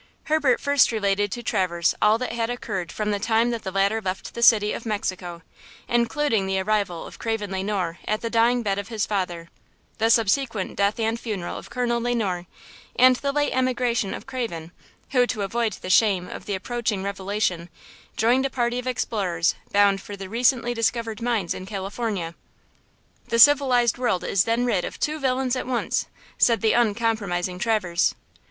Herbert first related to Traverse all that had occurred from the time that the latter left the city of Mexico, including the arrival of Craven Le Noir at the dying bed of his father, the subsequent death and funeral of Colonel Le Noir, and the late emigration of Craven, who to avoid the shame of the approaching revelation, joined a party of explorers bound for the recently discovered mines in California. "The civilized world is then rid of two villains at once," said the uncompromising Traverse.